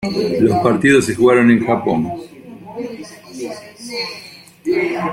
Los partidos se jugaron en Japón.